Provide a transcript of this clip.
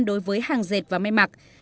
đối với hàng dệt và may mặc